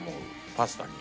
パスタに。